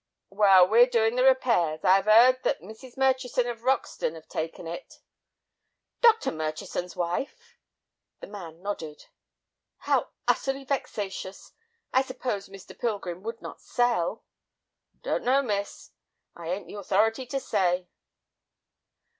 "Well, we're doin' the repairs. I 'ave 'eard that Mrs. Murchison of Roxton 'ave taken it." "Dr. Murchison's wife?" The man nodded. "How utterly vexatious. I suppose Mr. Pilgrim would not sell?" "Don't know, miss, I 'ain't the authority to say."